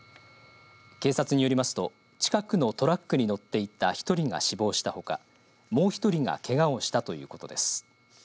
警察によりますと近くのトラックに乗っていた１人が死亡したほかもう１人がけがをしたということです。